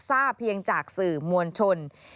ทราบเพียงจากสื่อมวลชน